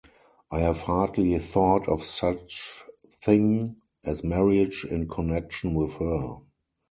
I have hardly thought of such thing as marriage in connection with her.